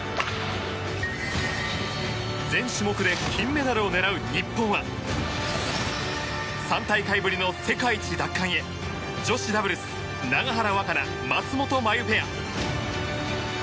全種目で金メダルを狙う日本は３大会ぶりの世界一奪還へ女子ダブルス永原和可那、松本麻佑ペア。